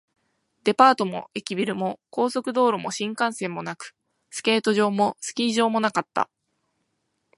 デパートも駅ビルも、高速道路も新幹線もなく、スケート場もスキー場もなかった